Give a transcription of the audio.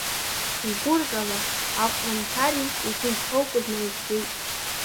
Угәырӷьала, Аҟәланқьари, угәы иҭоукыз наугӡеит.